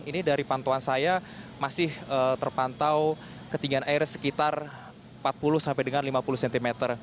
ini dari pantauan saya masih terpantau ketinggian air sekitar empat puluh sampai dengan lima puluh cm